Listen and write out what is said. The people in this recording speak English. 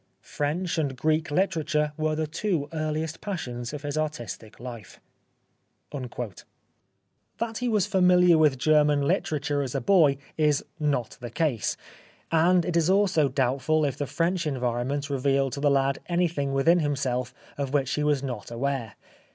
French and Greek literature were the two earliest passions of his artistic life." That he was familiar with German literature as a boy is not the case, and it is also doubtful 92 The Life of Oscar Wilde if the French environment revealed to the lad anything within himself of which he was not aware.